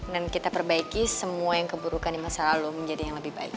dan kita perbaiki semua yang keburukan di masa lalu menjadi yang lebih baik